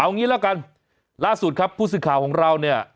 เอางี้แล้วกันล่าสุดครับผู้สื่อข่าวของเราเนี่ย